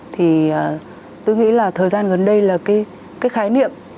thì tôi nghĩ là thời gian gần đây là cái khái niệm